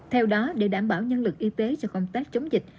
theo đó để đảm bảo nhân lực y tế cho công tác chống dịch